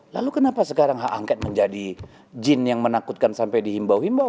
lalu kenapa sekarang hak angket menjadi jin yang menakutkan sampai dihimbau himbau